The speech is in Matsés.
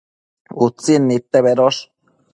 Utsin nidte bedosh